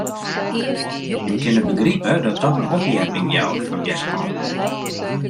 Jim kinne begripe dat dat in opheapping jout fan wjerskanten.